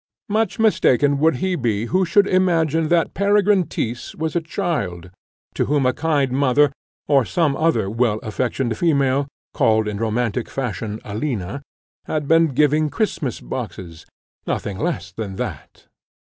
Much mistaken would he be who should imagine that Peregrine Tyss was a child, to whom a kind mother, or some other well affectioned female, called in romantic fashion Alina, had been giving Christmas boxes Nothing less than that!